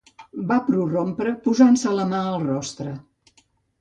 Va prorrompre, posant-se la mà al rostre